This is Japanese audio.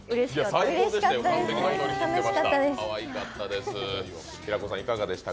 最高でしたよ、完璧になりきってました。